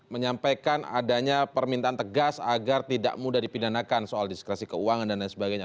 menyampaikan adanya permintaan tegas agar tidak mudah dipidanakan soal diskresi keuangan dan lain sebagainya